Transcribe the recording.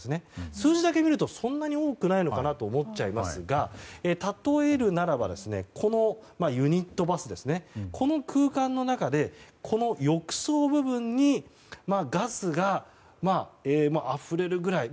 数字だけ見るとそんなに多くないのかなと思っちゃいますが例えば、このユニットバスこの空間の中で浴槽部分にガスがあふれるぐらい。